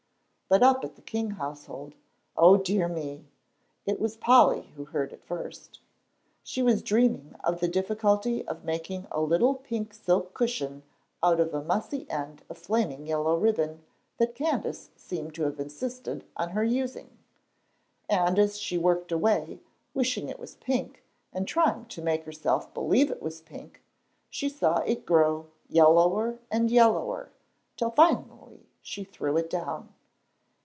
But up at the King household O dear me! It was Polly who heard it first. She was dreaming of the difficulty of making a little pink silk cushion out of a mussy end of flaming yellow ribbon that Candace seemed to have insisted on her using; and as she worked away, wishing it was pink, and trying to make herself believe it was pink, she saw it grow yellower and yellower, till finally she threw it down.